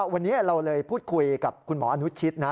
วันนี้เราเลยพูดคุยกับคุณหมออนุชิตนะ